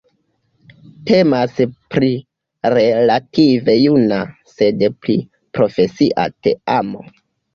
Temas pri relative juna, sed pli profesia teamo.